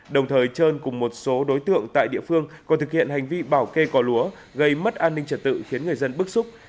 đồng thời trơn cùng một số đối tượng tại địa phương còn thực hiện hành vi bảo kê cò lúa gây mất an ninh trật tự khiến người dân bức xúc